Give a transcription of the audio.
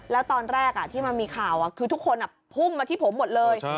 แล้วตอนแรกที่มันมีข่าวคือทุกคนพุ่งมาที่ผมหมดเลย